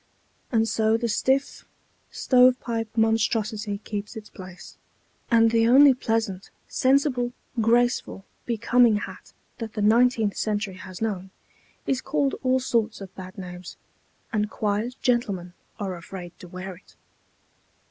And so the stiff, stove pipe monstrosity keeps its place, and the only pleasant, sensible, graceful, becoming hat that the nineteenth century has known, is called all sorts of bad names, and quiet gentlemen are afraid to wear it.